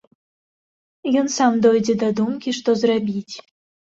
Ён сам дойдзе да думкі, што зрабіць.